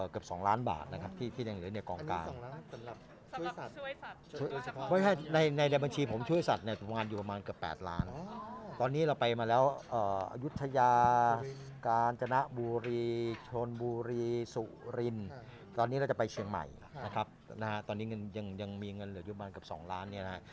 ตอนนี้ก็แล้วก็ยังมีเงินอะไรออกมาอีก๒ล้านบาท